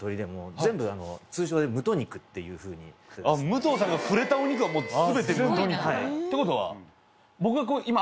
武藤さんが触れたお肉はもう全てムト肉。ってことは。